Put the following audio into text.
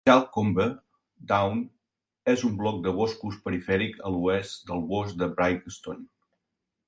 Shalcombe Down és un bloc de boscos perifèric a l'oest del bosc de Brighstone.